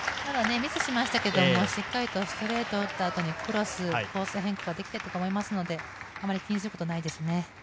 ミスしましたけれど、しっかりストレートを打った後にクロスのコース変更ができてると思うのであまり気にすることはないですね。